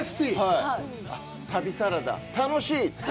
旅サラダ、楽しい！